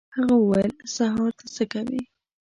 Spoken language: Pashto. هغه وویل: «سهار ته څه کوې؟»